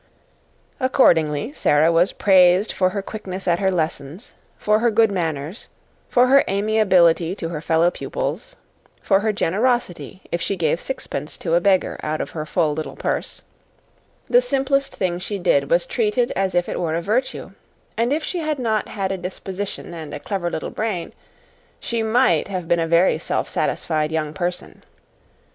Accordingly, Sara was praised for her quickness at her lessons, for her good manners, for her amiability to her fellow pupils, for her generosity if she gave sixpence to a beggar out of her full little purse; the simplest thing she did was treated as if it were a virtue, and if she had not had a disposition and a clever little brain, she might have been a very self satisfied young person.